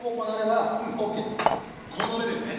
このレベルね。